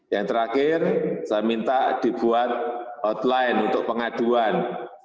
yang terakhir saya minta dibuat outline untuk pengaduan